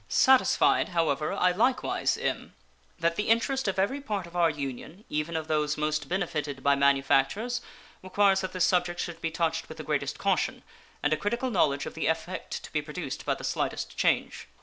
Satisfied, however, I likewise am that the interest of every part of our Union, even of those most benefitted by manufactures, requires that this subject should be touched with the greatest caution, and a critical knowledge of the effect to be produced by the slightest change.